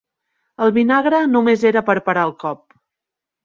El vinagre només era per parar el cop.